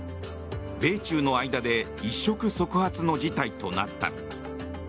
米中の間で一触即発の事態となった。